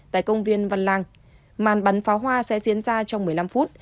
tại công viên văn lang màn bắn pháo hoa sẽ diễn ra trong một mươi năm phút